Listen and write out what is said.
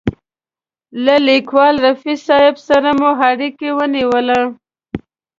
له لیکوال رفیع صاحب سره مو اړیکه ونیوله.